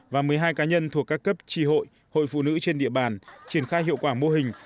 và một mươi hai cá nhân thuộc các cấp tri hội hội phụ nữ trên địa bàn triển khai hiệu quả mô hình